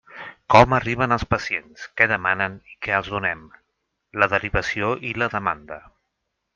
Com arriben els pacients, què demanen i què els donem: la derivació i la demanda.